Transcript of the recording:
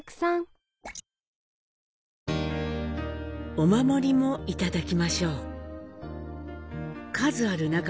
お守りもいただきましょう。